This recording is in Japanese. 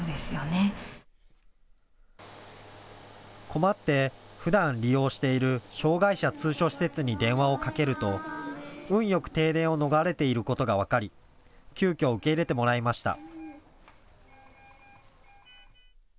困って、ふだん利用している障害者通所施設に電話をかけると運よく停電を逃れていることが分かり急きょ受け入れてもらいました。